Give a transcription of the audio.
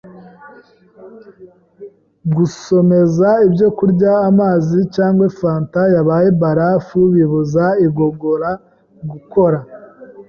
Gusomeza ibyokurya amazi cyangwa fanta yabaye barafu bibuza igogora gukora